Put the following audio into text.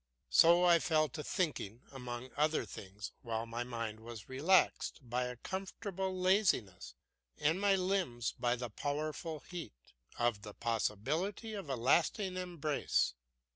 So I fell to thinking, among other things, while my mind was relaxed by a comfortable laziness and my limbs by the powerful heat, of the possibility of a lasting embrace.